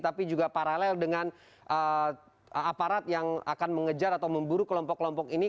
tapi juga paralel dengan aparat yang akan mengejar atau memburu kelompok kelompok ini